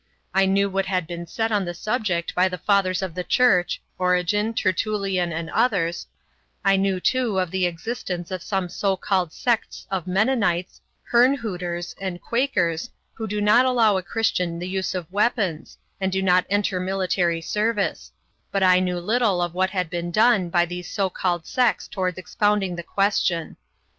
I knew what had been said on the subject by the fathers of the Church Origen, Tertullian, and others I knew too of the existence of some so called sects of Mennonites, Herrnhuters, and Quakers, who do not allow a Christian the use of weapons, and do not enter military service; but I knew little of what had been done by these so called sects toward expounding the question.